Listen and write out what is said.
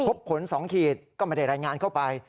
ผล๒ขีดก็ไม่ได้รายงานเข้าไป